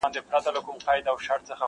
د هندو له کوره هم قران را ووت .